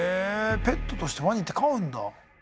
ペットとしてワニって飼うんだ。